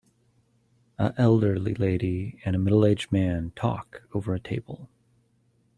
a elderly lady and a middleaged man talk over a table.